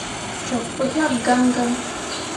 Cok pu yak gãn gãn.